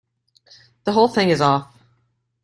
The whole thing is off.